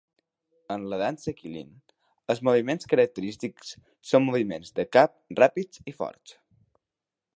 En la dansa qilin, els moviments característics són moviments de cap ràpids i forts.